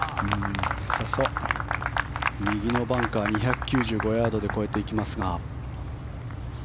右のバンカー、２９５ヤードで越えていきますが。